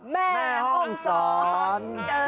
แม่ห้องสอน